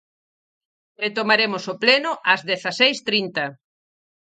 Retomaremos o pleno ás dezaseis trinta.